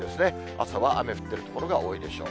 朝は雨が降っている所が多いでしょう。